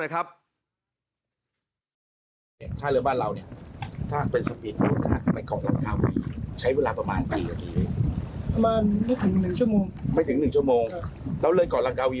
ฟังชาวบ้านเล่าหน่อยครับ